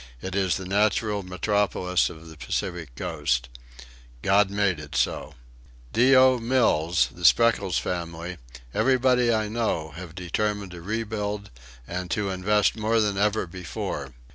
It is the natural metropolis of the Pacific coast. God made it so. D. O. Mills, the Spreckels family, everybody I know, have determined to rebuild and to invest more than ever before.